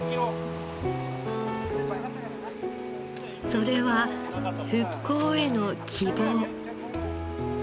それは復興への希望。